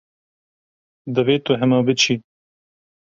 Divê tu hema biçî.